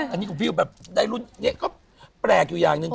อันนี้คุณพิวแบบได้รุ่นเฮียก็แปลกอยู่อย่างนึง